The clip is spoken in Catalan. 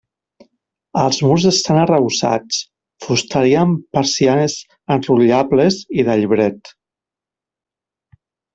Els murs estan arrebossats, fusteria amb persianes enrotllables i de llibret.